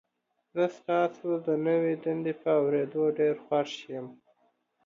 زه ستاسو د نوي دندې په اوریدو ډیر خوښ یم.